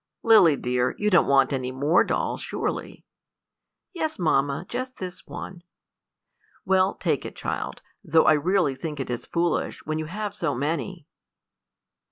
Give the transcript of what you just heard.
"Lily dear, you don't want any more dolls, surely." "Yes, mamma, just this one." "Well, take it, child, though I really think it is foolish, when you have so many."